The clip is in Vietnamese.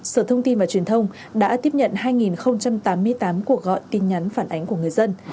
sở thông tin và truyền thông đã tiếp nhận hai tám mươi tám cuộc gọi tin nhắn phản ánh của người dân